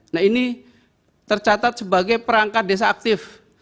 nah ini tercatat sebagai perangkat desa aktif